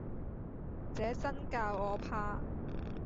這眞教我怕，